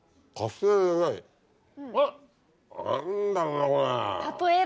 何だろなこれ。